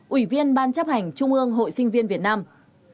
ủy viên ban chấp hành trung ương hội sinh viên việt nam